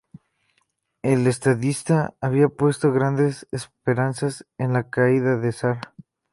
El estadista había puesto grandes esperanzas en la caída del zar.